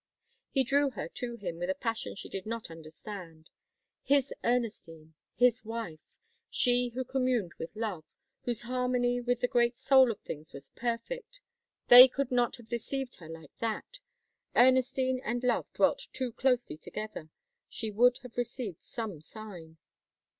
He drew her to him with a passion she did not understand. His Ernestine! His wife! She who communed with love, whose harmony with the great soul of things was perfect they could not have deceived her like that! Ernestine and love dwelt too closely together. She would have received some sign.